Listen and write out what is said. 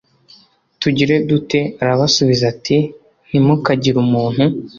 tugire dute arabasubiza ati ntimukagire umuntu